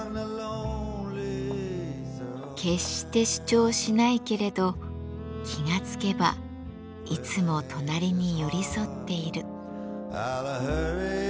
決して主張しないけれど気が付けばいつも隣に寄り添っている。